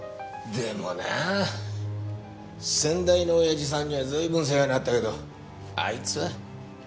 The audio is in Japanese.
でもなぁ先代の親父さんには随分世話になったけどあいつは。